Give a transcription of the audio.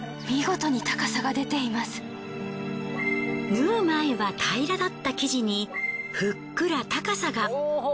縫う前は平らだった生地にふっくら高さが。